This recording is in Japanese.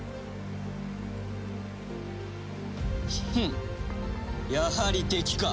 フンやはり敵か。